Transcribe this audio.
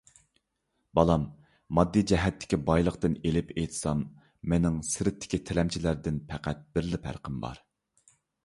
بالام، ماددىي جەھەتتىكى بايلىقتىن ئېلىپ ئېيتسام، مېنىڭ سىرتتىكى تىلەمچىلەردىن پەقەت بىرلا پەرقىم بار.